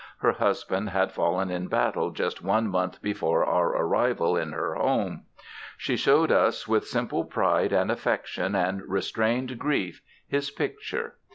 Her husband had fallen in battle just one month before our arrival in her home. She showed us with simple pride and affection and restrained grief his picture.